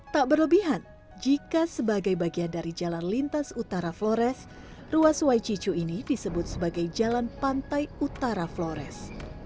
tak berlebihan jika sebagai bagian dari jalan lintas utara flores ruas wajicu ini disebut sebagai jalan pantai utara flores